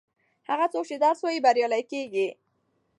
هغه څوک چې درس وايي بریالی کیږي.